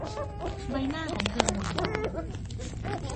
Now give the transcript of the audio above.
ใบหน้าของเธอหม่นหมอง